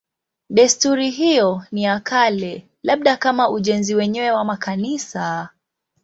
Desturi hiyo ni ya kale, labda kama ujenzi wenyewe wa makanisa.